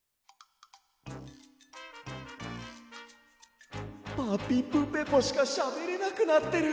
こころのこえ「ぱぴぷぺぽ」しかしゃべれなくなってる。